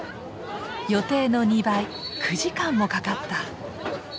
予定の２倍９時間もかかった。